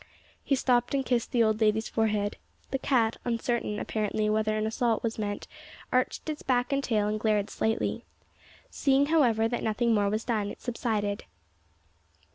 He stooped and kissed the old lady's forehead. The cat, uncertain, apparently, whether an assault was meant, arched its back and tall, and glared slightly. Seeing however that nothing more was done, it subsided.